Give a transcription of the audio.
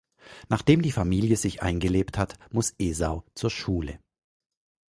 Nachdem die Familie sich eingelebt hat, muss Esau zur Schule.